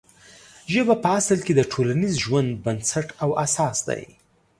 ژبه په اصل کې د ټولنیز ژوند بنسټ او اساس دی.